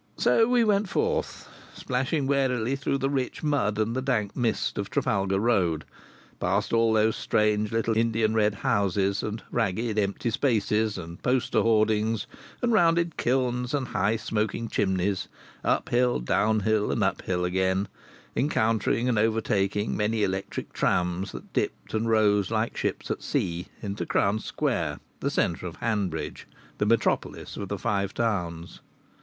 So we went forth, splashing warily through the rich mud and the dank mist of Trafalgar Road, past all those strange little Indian red houses, and ragged empty spaces, and poster hoardings, and rounded kilns, and high, smoking chimneys, up hill, down hill, and up hill again, encountering and overtaking many electric trams that dipped and rose like ships at sea, into Crown Square, the centre of Hanbridge, the metropolis of the Five Towns.